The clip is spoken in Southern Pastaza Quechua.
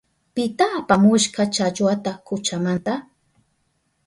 ¿Pita apamushka challwata kuchamanta?